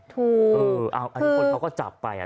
ทุกลุ่มแต่ก็จับไป